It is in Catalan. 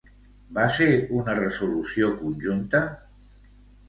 Va ser una resolució conjunta?